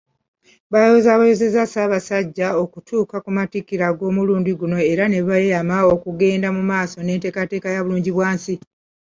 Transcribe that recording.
Bayozaayozezza Ssaabasajja okutuuka ku matikira ag'omulundi guno era ne beeyama okugenda maaso n'enteekateeka ya Bulungibwansi.